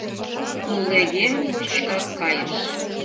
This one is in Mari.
Лулегем мучкак кайыш.